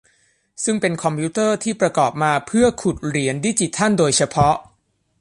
ซึ่งเป็นคอมพิวเตอร์ที่ประกอบมาเพื่อขุดเหรียญดิจิทัลโดยเฉพาะ